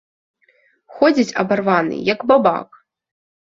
Ходзіць абарваны, як бабак.